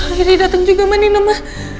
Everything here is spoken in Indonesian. airi dateng juga ma nino ma